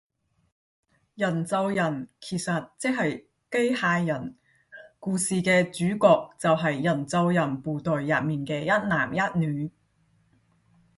人造人其實即係機械人，故事嘅主角就係人造人部隊入面嘅一男一女